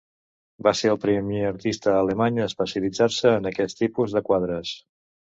Va ser el primer artista alemany a especialitzar-se en aquest tipus de quadres.